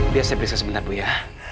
biar saya periksa sebentar bu ya